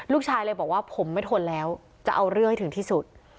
ลูกชายเลยบอกว่าผมไม่ทนแล้วจะเอาเรื่องให้ถึงที่สุด